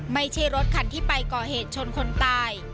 ไม่ใช่รถคันที่ไปก่อเหตุชนคนตาย